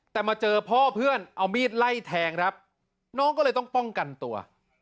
แต่มาเจอพ่อเพื่อนเอามีดไล่แทงครับน้องก็เลยต้องป้องกันตัว